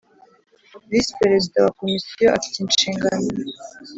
Visi Perezida wa Komisiyo afite inshingano